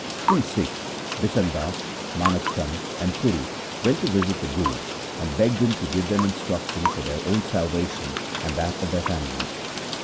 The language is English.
Three Sikhs, Bishan Das, Manak Chand, and Puru went to visit the Guru, and begged him to give them instruction for their own salvation and that of their families.